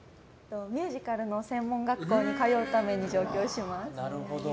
ミュージカルの専門学校に通うために夢があるんだな。